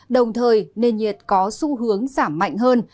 đồng thời nền nhiệt có xu hướng giảm mạnh hơn